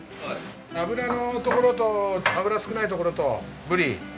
脂のところと脂少ないところとブリ。